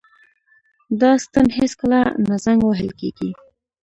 دا ستن هیڅکله نه زنګ وهل کیږي.